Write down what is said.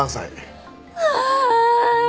ああ！